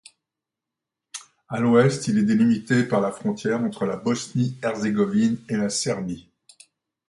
À l'ouest, il est délimité par la frontière entre la Bosnie-Herzégovine et la Serbie.